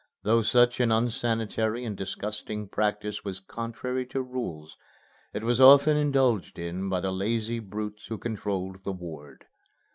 Though such an unsanitary and disgusting practice was contrary to rules, it was often indulged in by the lazy brutes who controlled the ward.